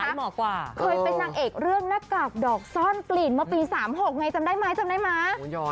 เคยเป็นนางเอกเรื่องหน้ากากดอกซ่อนกลิ่นมาปี๓๖ไงจำได้มั้ยจำได้มั้ย